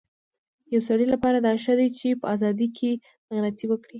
يو سړي لپاره دا ښه ده چي په ازادی کي غلطي وکړی